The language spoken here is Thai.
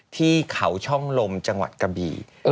ที่เขาช่องลมจังหวัดกะบี่